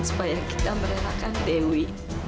supaya kita mererakan dewi